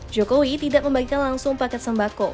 jokowi tidak membagikan langsung paket sembako